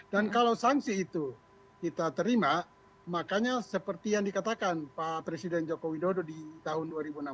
dan kalau sanksi itu kita terima makanya seperti yang dikatakan pak presiden joko widodo di tahun dua ribu enam belas